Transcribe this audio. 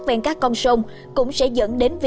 ven các con sông cũng sẽ dẫn đến